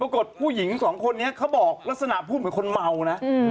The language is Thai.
ปรากฏผู้หญิงสองคนนี้เขาบอกลักษณะผู้เป็นคนเมานะ